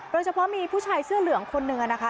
โดยเฉพาะมีผู้ชายเสื้อเหลืองคนหนึ่งนะคะ